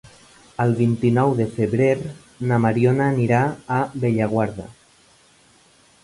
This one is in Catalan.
El vint-i-nou de febrer na Mariona anirà a Bellaguarda.